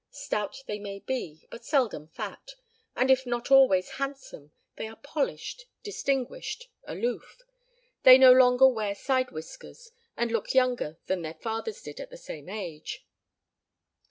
Stout they may be, but seldom fat, and if not always handsome, they are polished, distinguished, aloof. They no longer wear side whiskers and look younger than their fathers did at the same age.